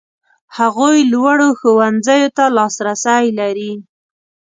هغوی لوړو ښوونځیو ته لاسرسی لري.